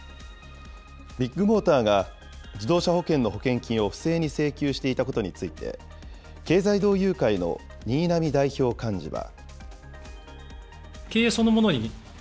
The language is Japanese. ビッグモーターが自動車保険の保険金を不正に請求していたことについて、経済同友会の新浪代表幹事は。